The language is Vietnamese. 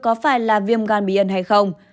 có phải là viêm gan bí ẩn hay không